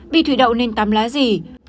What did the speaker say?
bị thủy đậu nên tắm lá gì